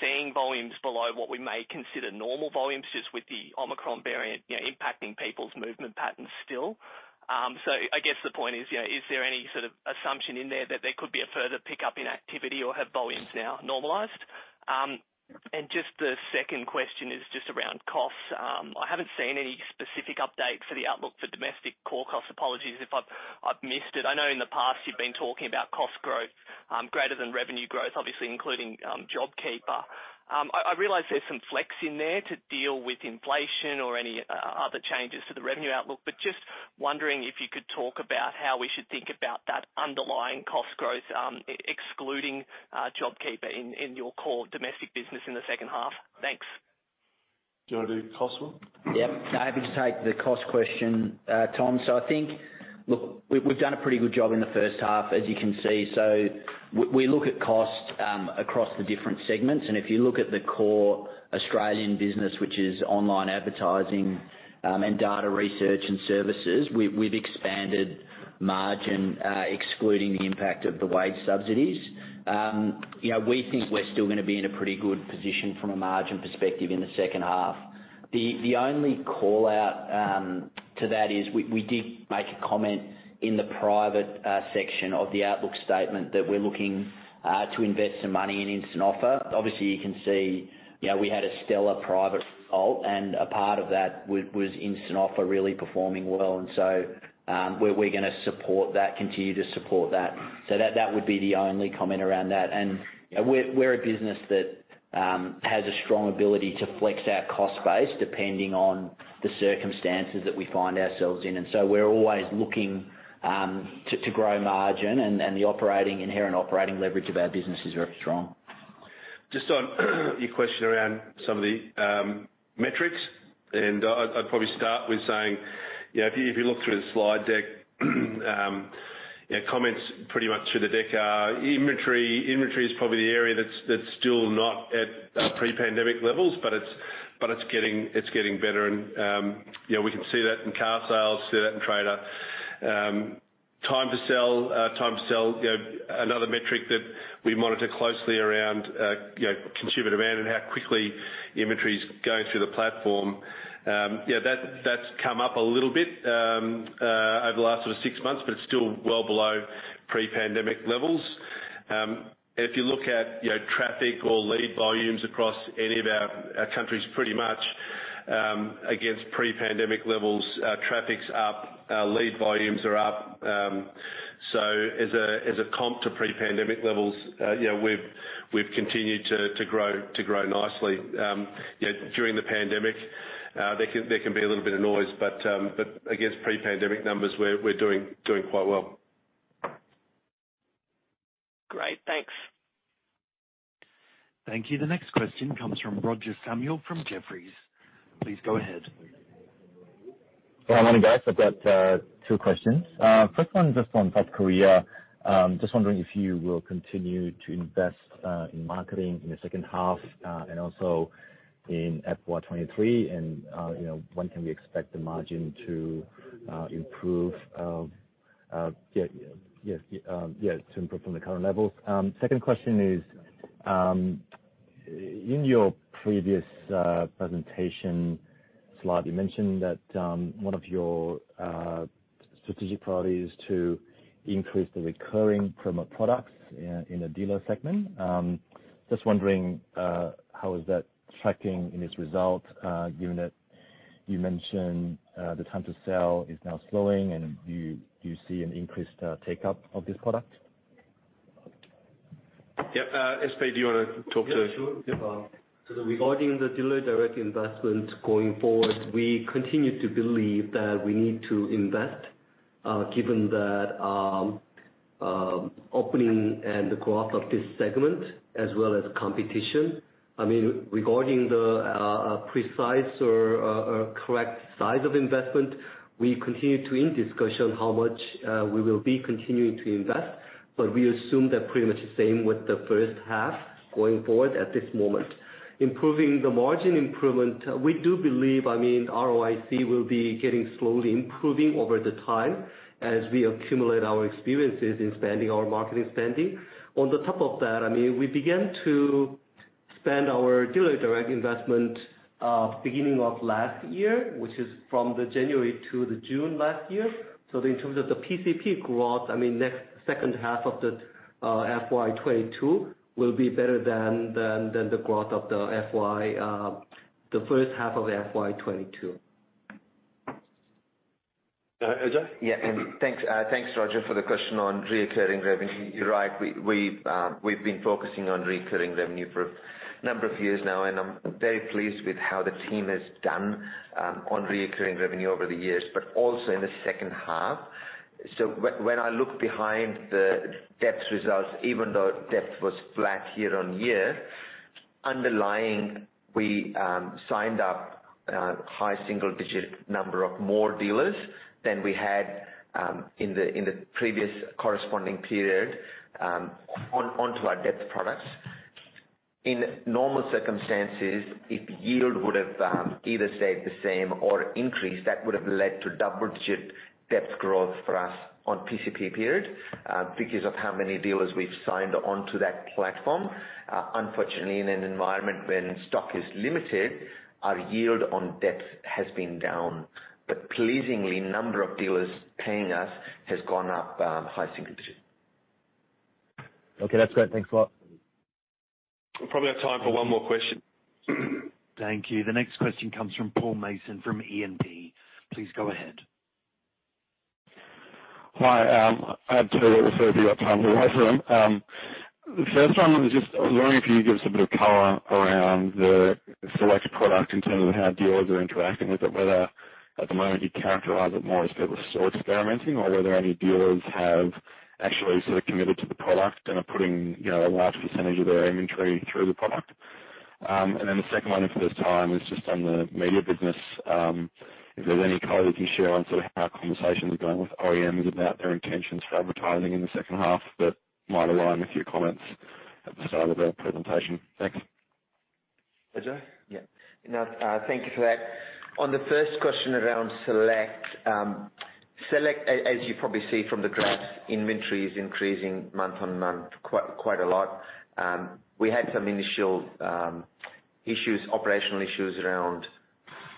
S9: seeing volumes below what we may consider normal volumes just with the Omicron variant impacting people's movement patterns still? I guess the point is, you know, is there any sort of assumption in there that there could be a further pickup in activity or have volumes now normalized? Just the second question is just around costs. I haven't seen any specific update for the outlook for domestic core costs. Apologies if I've missed it. I know in the past you've been talking about cost growth greater than revenue growth, obviously including JobKeeper. I realize there's some flex in there to deal with inflation or any other changes to the revenue outlook, but just wondering if you could talk about how we should think about that underlying cost growth excluding JobKeeper in your core domestic business in the second half. Thanks.
S1: Do you wanna do the cost one?
S8: Yep. Happy to take the cost question, Tom. I think. Look, we've done a pretty good job in the first half, as you can see. We look at cost across the different segments, and if you look at the core Australian business, which is online advertising and data research and services, we've expanded margin excluding the impact of the wage subsidies. You know, we think we're still gonna be in a pretty good position from a margin perspective in the second half. The only call-out to that is we did make a comment in the private section of the outlook statement that we're looking to invest some money in Instant Offer. Obviously, you can see, you know, we had a stellar private result and a part of that was Instant Offer really performing well. We're gonna support that, continue to support that. That would be the only comment around that. You know, we're a business that has a strong ability to flex our cost base depending on the circumstances that we find ourselves in. We're always looking to grow margin and the inherent operating leverage of our business is very strong.
S1: Just on your question around some of the metrics, and I'd probably start with saying, you know, if you look through the slide deck, you know, comments pretty much through the deck are inventory. Inventory is probably the area that's still not at pre-pandemic levels, but it's getting better and, you know, we can see that in Carsales, see that in Trader. Time to sell, you know, another metric that we monitor closely around, you know, consumer demand and how quickly inventory is going through the platform. You know, that's come up a little bit over the last sort of six months, but it's still well below pre-pandemic levels. If you look at, you know, traffic or lead volumes across any of our countries pretty much, against pre-pandemic levels, traffic's up, lead volumes are up. So as a comp to pre-pandemic levels, you know, we've continued to grow nicely. You know, during the pandemic, there can be a little bit of noise, but against pre-pandemic numbers, we're doing quite well.
S9: Great. Thanks.
S2: Thank you. The next question comes from Roger Samuel from Jefferies. Please go ahead.
S10: Good morning, guys. I've got two questions. First one just on South Korea. Just wondering if you will continue to invest in marketing in the second half and also in FY 2023. You know, when can we expect the margin to improve? Yeah, to improve from the current levels. Second question is, in your previous presentation slide, you mentioned that one of your strategic priority is to increase the recurring promo products in the dealer segment. Just wondering, how is that tracking in its result, given that you mentioned the time to sell is now slowing and do you see an increased take-up of this product?
S1: Yeah. SK, do you wanna talk to-
S11: Yeah, sure. Yeah. Regarding the Dealerdirect investment going forward, we continue to believe that we need to invest, given that. Opening and the growth of this segment as well as competition. I mean, regarding the precise or correct size of investment, we continue to in discussion how much we will be continuing to invest, but we assume that pretty much the same with the first half going forward at this moment. Improving the margin improvement, we do believe, I mean, ROIC will be getting slowly improving over time as we accumulate our experiences in spending our marketing spending. On top of that, I mean, we began to spend our Dealerdirect investment beginning of last year, which is from January to June last year. In terms of the PCP growth, I mean, the second half of the FY 2022 will be better than the growth of the first half of FY 2022.
S1: Go ahead, Ajay.
S4: Thanks, Roger, for the question on recurring revenue. You're right, we've been focusing on recurring revenue for a number of years now, and I'm very pleased with how the team has done on recurring revenue over the years, but also in the second half. When I look behind the depth results, even though depth was flat year-on-year, underlying, we signed up a high single-digit number of more dealers than we had in the previous corresponding period on to our depth products. In normal circumstances, if yield would've either stayed the same or increased, that would've led to double-digit depth growth for us on PCP period because of how many dealers we've signed onto that platform. Unfortunately, in an environment when stock is limited, our yield on depth has been down. Pleasingly, number of dealers paying us has gone up, high single digit.
S1: Okay, that's great. Thanks a lot. We probably have time for one more question.
S2: Thank you. The next question comes from Paul Mason from E&P. Please go ahead.
S12: Hi. I have two if you've got time for both of them. The first one was just I was wondering if you could give us a bit of color around the SELECT product in terms of how dealers are interacting with it, whether at the moment you characterize it more as people are still experimenting or whether any dealers have actually sort of committed to the product and are putting, you know, a large percentage of their inventory through the product. The second one, if there's time, is just on the media business. If there's any color you can share on sort of how conversations are going with OEMs about their intentions for advertising in the second half, that might align with your comments at the start of the presentation. Thanks.
S1: Ajay?
S4: Yeah. No, thank you for that. On the first question around SELECT. As you probably see from the graphs, inventory is increasing month-on-month quite a lot. We had some initial issues, operational issues, around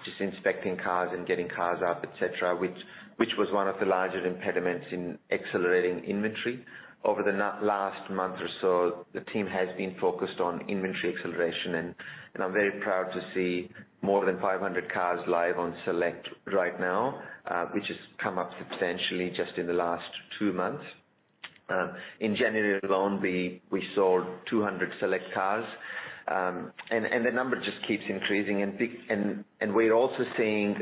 S4: just inspecting cars and getting cars up, et cetera, which was one of the larger impediments in accelerating inventory. Over the last month or so, the team has been focused on inventory acceleration, and I'm very proud to see more than 500 cars live on SELECT right now, which has come up substantially just in the last two months. In January alone, we sold 200 SELECT cars. The number just keeps increasing and we're also seeing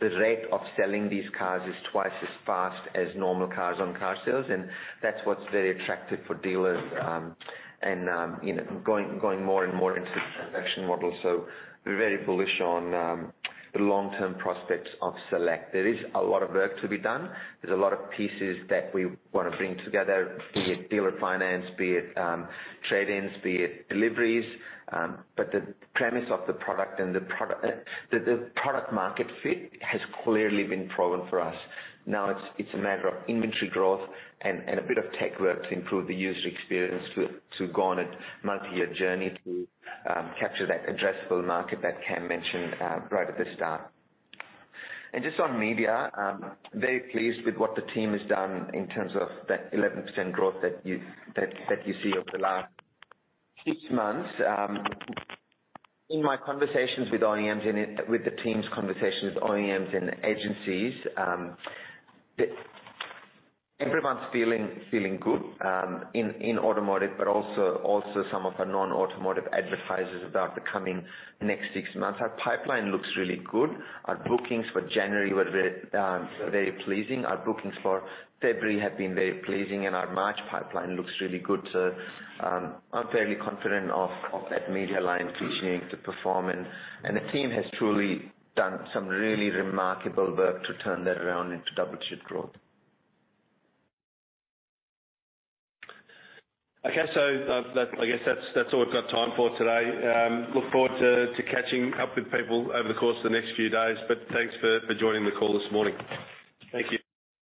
S4: the rate of selling these cars is twice as fast as normal cars on carsales, and that's what's very attractive for dealers, you know, going more and more into the transaction model. We're very bullish on the long-term prospects of SELECT. There is a lot of work to be done. There's a lot of pieces that we wanna bring together, be it Dealer Finance, be it trade-ins, be it deliveries. The premise of the product and the product market fit has clearly been proven for us. Now, it's a matter of inventory growth and a bit of tech work to improve the user experience to go on a multi-year journey to capture that addressable market that Cam mentioned right at the start. Just on media, I'm very pleased with what the team has done in terms of that 11% growth that you see over the last six months. In my conversations with OEMs and with the team's conversations with OEMs and agencies, everyone's feeling good in automotive, but also some of our non-automotive advertisers about the coming next six months. Our pipeline looks really good. Our bookings for January were very pleasing. Our bookings for February have been very pleasing, and our March pipeline looks really good, so I'm fairly confident of that media line continuing to perform, and the team has truly done some really remarkable work to turn that around into double-digit growth.
S1: Okay. That, I guess that's all we've got time for today. Look forward to catching up with people over the course of the next few days. Thanks for joining the call this morning.
S2: Thank you.